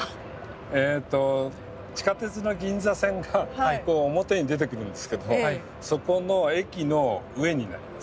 えっと地下鉄の銀座線がこう表に出てくるんですけどそこの駅の上になります。